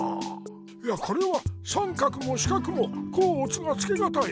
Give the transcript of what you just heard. いやこれはさんかくもしかくもこうおつがつけがたい。